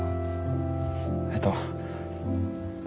えっと。